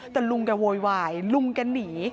แต่ลุงแกโวยวายลุงแกหนี